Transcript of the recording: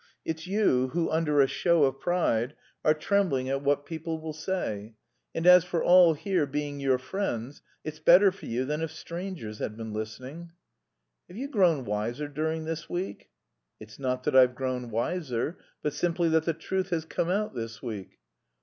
It's you who, under a show of pride, are trembling at what people will say. And as for all here being your friends, it's better for you than if strangers had been listening." "Have you grown wiser during this last week?" "It's not that I've grown wiser, but simply that the truth has come out this week."